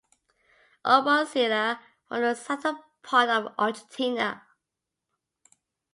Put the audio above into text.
"O. born celer" from the southern part of Argentina.